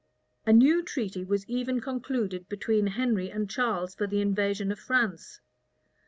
* Guicciard. lib. xv. A new treaty was even concluded between Henry and Charles for the invasion of France.